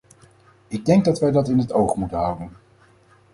Ik denk dat wij dat in het oog moeten houden.